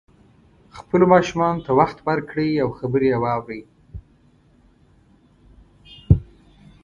خپلو ماشومانو ته وخت ورکړئ او خبرې یې واورئ